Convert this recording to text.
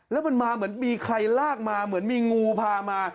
แล้วมันมาเหมือนมีใครลากมาเหมือนมีงูพามา